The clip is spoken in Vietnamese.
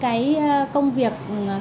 cái công việc